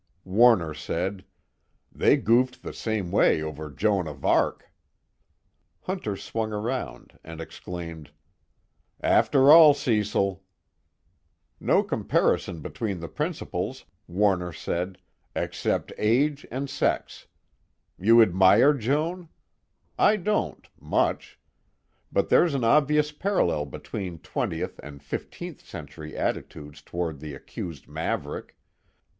Warner said: "They goofed the same way over Joan of Arc." Hunter swung around and exclaimed: "After all, Cecil!" "No comparison between the principals," Warner said, "except age and sex. You admire Joan? I don't, much. But there's an obvious parallel between twentieth and fifteenth century attitudes toward the accused maverick.